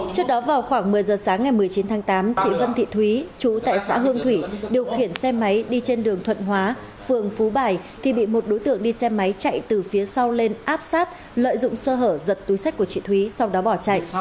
trước đó vào khoảng một mươi giờ sáng ngày một mươi chín tháng tám chị vân thị thúy chú tại xã hương thủy điều khiển xe máy đi trên đường thuận hóa phường phú bài thì bị một đối tượng đi xe máy chạy từ phía sau lên áp sát lợi dụng sơ hở giật túi sách của chị thúy sau đó bỏ chạy